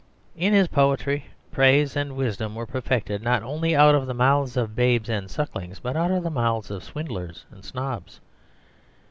In his poetry praise and wisdom were perfected not only out of the mouths of babes and sucklings, but out of the mouths of swindlers and snobs.